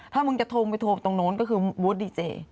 ถ้ามึงจะโทรมึงจะโทรตรงโน้นก็คือบุ๊ชดีเจย์